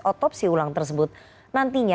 otopsi ulang tersebut nantinya